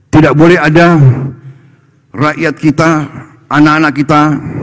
tidak boleh ada rakyat kita anak anak kita